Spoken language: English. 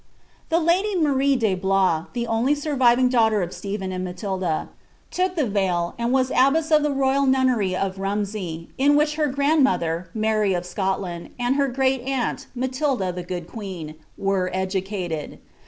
The lady Marie de Blois, the only surviving daughter of Stephen and Blatilda, took the veil, and was abbess of the royal nunnery of Rumsey, in which her grandmother, Mary of Scotland, and her great aunt, Ma tilda, the good queen, were educated.